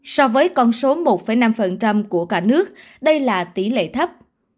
so với con số một năm của cả nước đây là tổng số ca mắc